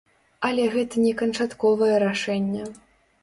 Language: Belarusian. Але гэта не канчатковае рашэнне.